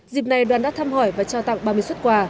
dịp này đoàn đã thăm hỏi và trao tặng ba mươi xuất quà